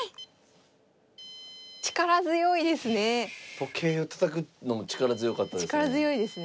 時計をたたくのも力強かったですね。